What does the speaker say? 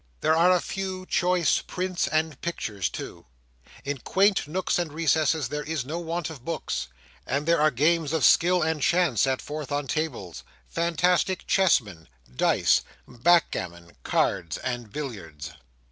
There are a few choice prints and pictures too; in quaint nooks and recesses there is no want of books; and there are games of skill and chance set forth on tables—fantastic chessmen, dice, backgammon, cards, and billiards.